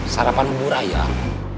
sarapan bubur ayam